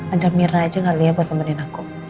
ajak mirna aja kali ya buat nemenin aku